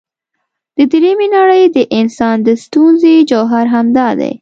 د درېمې نړۍ د انسان د ستونزې جوهر همدا دی.